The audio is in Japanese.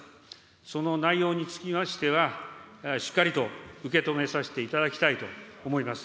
その内容につきましては、しっかりと受け止めさせていただきたいと思います。